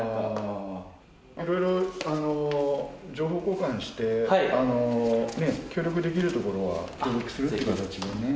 いろいろ情報交換して協力できるところは協力するっていう形でね。